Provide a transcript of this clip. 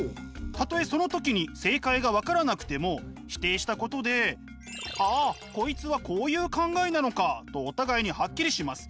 たとえその時に正解が分からなくても否定したことで「ああこいつはこういう考えなのか」とお互いにハッキリします。